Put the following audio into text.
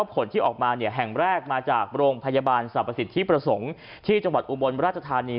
ผลที่ออกมาแห่งแรกมาจากโรงพยาบาลสรรพสิทธิประสงค์ที่จังหวัดอุบลราชธานี